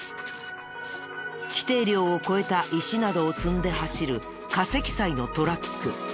規定量を超えた石などを積んで走る過積載のトラック。